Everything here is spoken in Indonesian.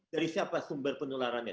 dari siapa sumber penularannya